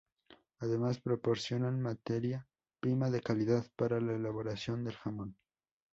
Además, proporcionan materia prima de calidad para la elaboración del jamón.